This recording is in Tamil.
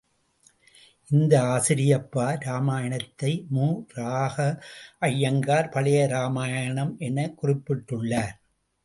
இந்த ஆசிரியப்பா இராமாயணத்தை மு. இராகவையங்கார் பழைய இராமாயணம் எனக் குறிப்பிட்டு உள்ளார்.